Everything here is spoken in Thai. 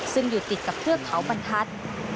ซึ่งอยู่ติดกับเทือกเขาบรรทัศน์